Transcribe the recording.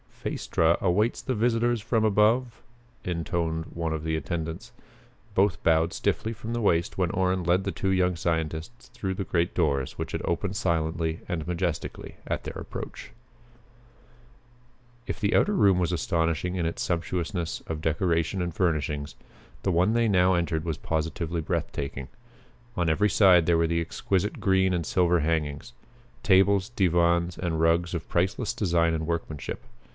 "Phaestra awaits the visitors from above," intoned one of the attendants. Both bowed stiffly from the waist when Orrin led the two young scientists through the great doors which had opened silently and majestically at their approach. If the outer room was astonishing in its sumptuousness of decoration and furnishing, the one they now entered was positively breath taking. On every side there were the exquisite green and silver hangings. Tables, divans, and rugs of priceless design and workmanship.